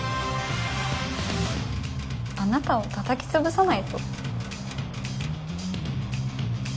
あなたをたたき潰さないと。